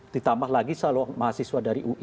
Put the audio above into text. ditambah lagi salah satu mahasiswa dari ui